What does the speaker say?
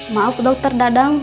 maaf dokter dadang